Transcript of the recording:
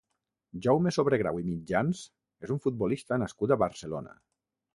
Jaume Sobregrau i Mitjans és un futbolista nascut a Barcelona.